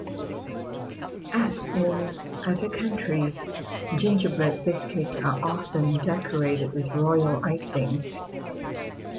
As in other countries, Gingerbread biscuits are often decorated with Royal icing.